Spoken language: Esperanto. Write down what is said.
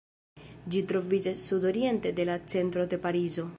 Ĝi troviĝas sudoriente de la centro de Parizo.